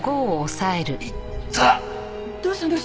どうしたの？